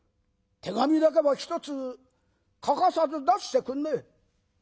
手紙だけはひとつ欠かさず出してくんねえ」。